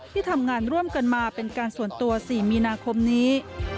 ที่ทำงานร่วมกันมาเป็นการส่วนตัว๔มีนาคมนี้